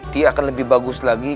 dia akan lebih bagus lagi